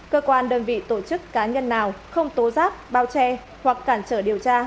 cơ quan đơn vị tổ chức cá nhân nào không tố giác bao che hoặc cản trở điều tra